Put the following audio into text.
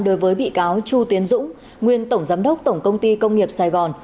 đối với bị cáo chu tiến dũng nguyên tổng giám đốc tổng công ty công nghiệp sài gòn